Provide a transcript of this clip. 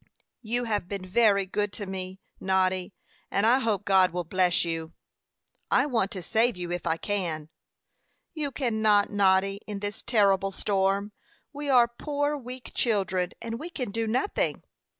"You have been very good to me, Noddy; and I hope God will bless you." "I want to save you if I can." "You cannot, Noddy, in this terrible storm. We are poor weak children, and we can do nothing."